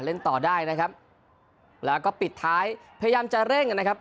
ต่อได้นะครับแล้วก็ปิดท้ายพยายามจะเร่งนะครับ